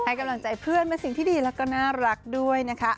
กำลังใจเพื่อนเป็นสิ่งที่ดีแล้วก็น่ารักด้วยนะคะ